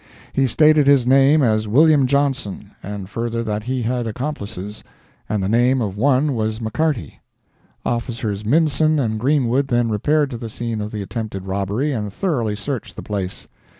He stated his name as William Johnson, and further that he had accomplices, and the name of one was McCarty. Officers Minson and Greenwood then repaired to the scene of the attempted robbery and thoroughly searched the place.